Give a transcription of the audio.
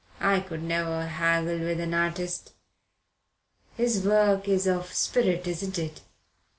I could never haggle with an artist. His work is of the spirit, isn't it?"